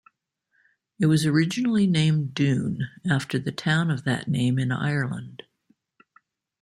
It was originally named Doon after the town of that name in Ireland.